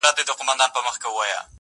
موده مخکي چي دي مړ سپین ږیری پلار دئ-